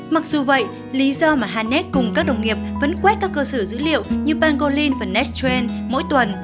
mặc dù vậy lý do mà hanek cùng các đồng nghiệp vẫn quét các cơ sở dữ liệu như pangolin và nexttrend mỗi tuần